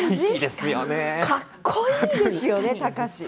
かっこいいですよね、貴司。